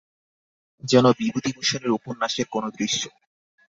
যেন বিভূতিভূষণের উপন্যাসের কোনো দৃশ্য।